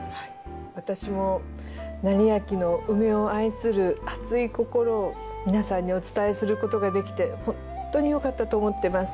私も斉昭のウメを愛する熱い心を皆さんにお伝えすることができてほんとによかったと思ってます。